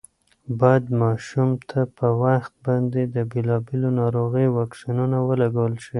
باید ماشومانو ته په وخت باندې د بېلابېلو ناروغیو واکسینونه ولګول شي.